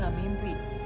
jadi kamu mau menikah